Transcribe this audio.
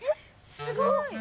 すごい！